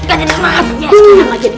kita gak jadi sunat